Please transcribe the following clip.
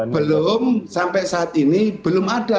belum sampai saat ini belum ada